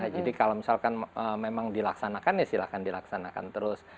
jadi kalau misalkan memang dilaksanakan ya silahkan dilaksanakan terus